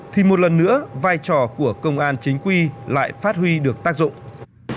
thì một lần nữa vai trò của công an chính quy lại phát huy được tác dụng